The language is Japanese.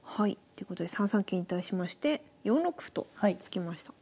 ということで３三桂に対しまして４六歩と突きました。